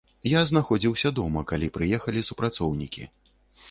Я знаходзіўся дома, калі прыехалі супрацоўнікі.